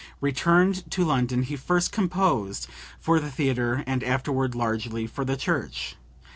Returned to London he first composed for the theatre and afterward largely for the church.